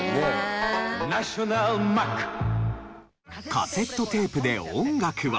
カセットテープで音楽を。